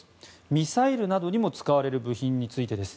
ミサイルなどにも使われる部品についてです。